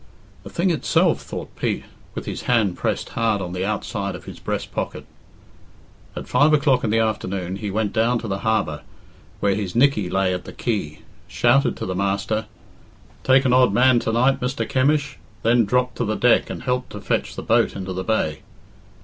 "The thing itself," thought Pete, with his hand pressed hard on the outside of his breast pocket. At five o'clock in the afternoon he went down to the harbour, where his Nickey lay by the quay, shouted to the master, "Take an odd man tonight, Mr. Kemish?" then dropped to the deck and helped to fetch the boat into the bay.